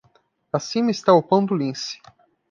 Acima está o pão do lince.